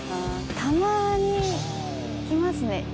たまに来ますね。